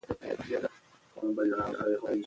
ژمی د افغانستان د پوهنې نصاب کې شامل دي.